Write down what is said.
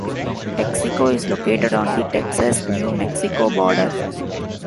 Texico is located on the Texas-New Mexico border.